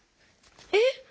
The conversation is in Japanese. えっ？